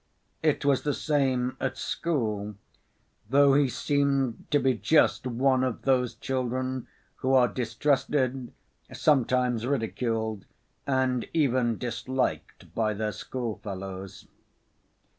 It was the same at school, though he seemed to be just one of those children who are distrusted, sometimes ridiculed, and even disliked by their schoolfellows.